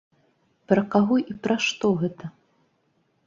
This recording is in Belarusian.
Пра каго і пра што гэта?